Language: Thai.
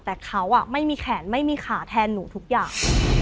แต่เขาไม่มีแขนไม่มีขาแทนหนูทุกอย่าง